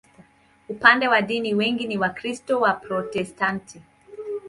Upande wa dini, wengi ni Wakristo Waprotestanti.